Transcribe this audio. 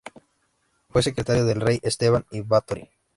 Fue secretario del rey Esteban I Báthory.